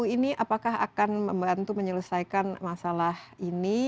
ini apakah akan membantu menyelesaikan masalah ini